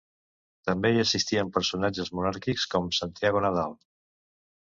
També hi assistien personatges monàrquics com Santiago Nadal.